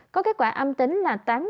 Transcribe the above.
có kết quả âm tính là